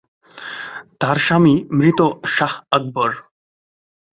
তার স্বামী মৃত শাহ আকবর।